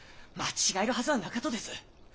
間違えるはずはなかとです！